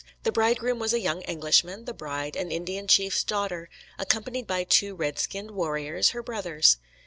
The bridegroom was a young Englishman, the bride an Indian chief's daughter, accompanied by two red skinned warriors, her brothers.